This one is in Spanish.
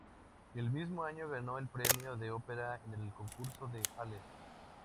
El mismo año, ganó el premio de ópera en el Concurso de Ales.